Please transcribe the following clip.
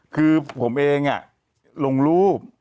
คือผมเองลงรูป